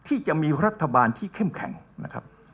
ที่จะมีรัฐบาลที่เข้มแข็งนะครับ